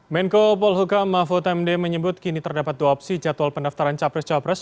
menko polhukam mahfud md menyebut kini terdapat dua opsi jadwal pendaftaran capres capres